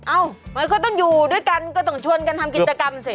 เหมือนเขาต้องอยู่ด้วยกันก็ต้องชวนกันทำกิจกรรมสิ